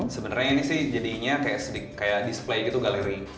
sebenarnya ini sih jadinya kayak display gitu galeri